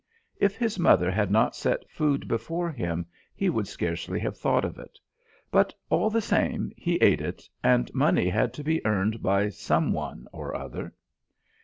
If his mother had not set food before him he would scarcely have thought of it. But, all the same, he ate it, and money had to be earned by some one or other.